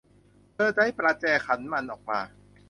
เธอใช้ประแจขันมันออกมา